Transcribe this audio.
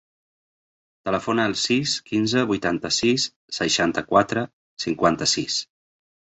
Telefona al sis, quinze, vuitanta-sis, seixanta-quatre, cinquanta-sis.